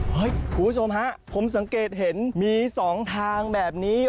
คุณผู้ชมฮะผมสังเกตเห็นมี๒ทางแบบนี้